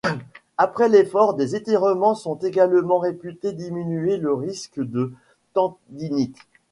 Après l’effort, des étirements sont également réputés diminuer le risque de tendinite.